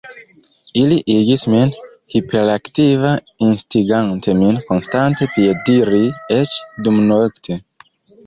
Ili igis min hiperaktiva, instigante min konstante piediri, eĉ dumnokte.